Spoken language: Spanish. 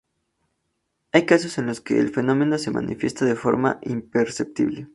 Hay casos en los que el fenómeno se manifiesta de forma imperceptible.